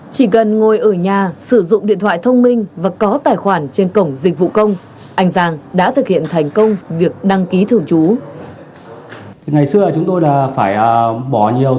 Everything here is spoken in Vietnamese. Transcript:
chỉ cần ngồi ở nhà sử dụng điện thoại thông minh và có tài khoản trên cổng dịch vụ công anh giang đã thực hiện thành công việc đăng ký thường trú